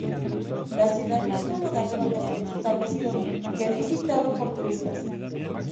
La ciudad es un lugar de vacaciones establecido, que es visitado por turistas.